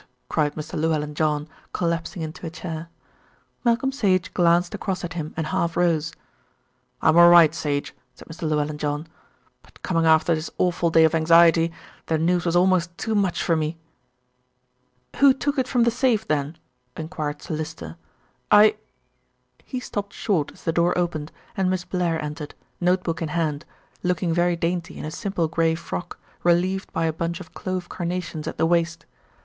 cried Mr. Llewellyn John, collapsing into a chair. Malcolm Sage glanced across at him and half rose. "I'm all right, Sage," said Mr. Llewellyn John; "but coming after this awful day of anxiety, the news was almost too much for me." "Who took it from the safe then?" enquired Sir Lyster. "I " he stopped short as the door opened, and Miss Blair entered, notebook in hand, looking very dainty in a simple grey frock, relieved by a bunch of clove carnations at the waist.